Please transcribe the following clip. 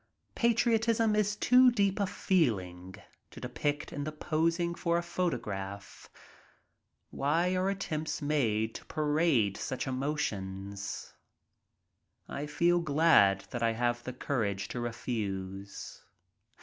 Patriotism is too deep a feeling to depict in the posing for a photo graph. Why are attempts made to parade such emotions? I feel glad that I have the courage to refuse.